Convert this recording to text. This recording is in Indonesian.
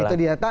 nah itu dia